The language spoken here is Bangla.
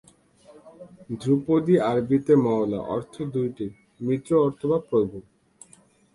ধ্রুপদী আরবিতে ""মওলা"" অর্থ দুইটি, "মিত্র" অথবা "প্রভু"।